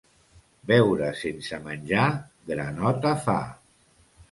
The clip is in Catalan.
Beure sense menjar granota fa.